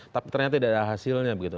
tapi ternyata tidak ada hasilnya begitu